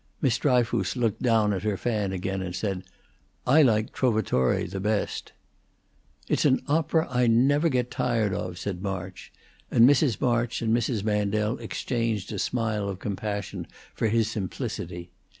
Miss Dryfoos looked down at her fan again, and said, "I like 'Trovatore' the best." "It's an opera I never get tired of," said March, and Mrs. March and Mrs. Mandel exchanged a smile of compassion for his simplicity.